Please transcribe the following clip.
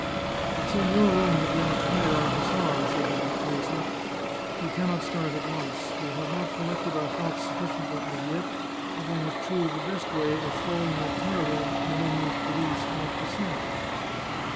" It's in your room that we must hide our hussar," said the marchesa. " He can not start at once. We have not collected our thoughts sufficiently as yet, and we must choose the best way of throwing that terrible Milanese police off the scent."